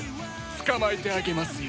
捕まえてあげますよ。